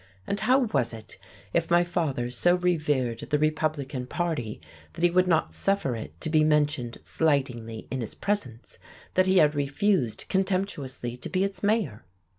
And how was it, if my father so revered the Republican Party that he would not suffer it to be mentioned slightingly in his presence, that he had refused contemptuously to be its mayor?...